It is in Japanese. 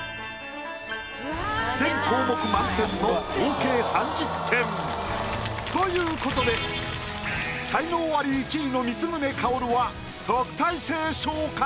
全項目満点の合計３０点。ということで才能アリ１位の光宗薫は特待生昇格！